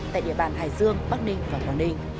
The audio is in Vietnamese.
tại địa bàn hải dương bắc ninh và quảng ninh